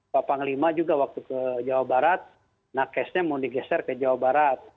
bapak ngelima juga waktu ke jawa barat nah kesnya mau digeser ke jawa barat